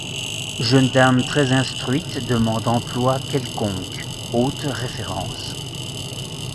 Jeune dame très instruite demande emploi quelconque, hautes références.